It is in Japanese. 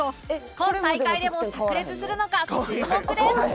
今大会でも炸裂するのか注目です